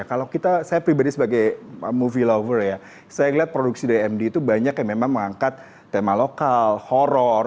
kalau kita saya pribadi sebagai movie lover ya saya lihat produksi dari md itu banyak yang memang mengangkat tema lokal horror